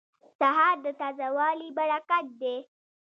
سهار د تازه والي برکت دی.